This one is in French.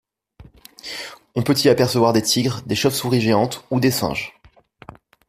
On peut y apercevoir des tigres, des chauves-souris géantes ou des singes.